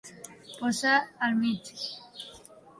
Posar al mig.